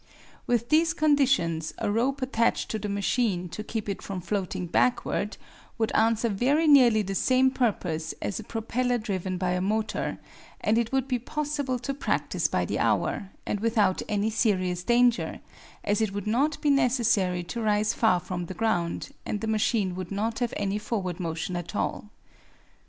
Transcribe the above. With these conditions a rope attached to the machine to keep it from floating backward would answer very nearly the same purpose as a propeller driven by a motor, and it would be possible to practice by the hour, and without any serious danger, as it would not be necessary to rise far from the ground, and the machine would not have any forward motion at all.